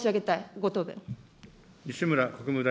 ご答弁。